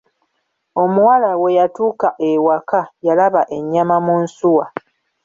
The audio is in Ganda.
Omuwala we yatuuka ewaka, yalaba ennyama mu nsuwa.